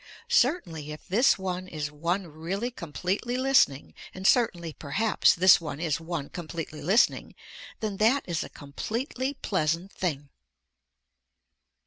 Certainly if this one is one really completely listening and certainly perhaps this one is one completely listening then that is a completely pleasant thing.